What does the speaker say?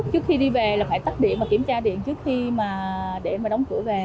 trước khi đi về là phải tắt điện và kiểm tra điện trước khi mà để mà đóng cửa về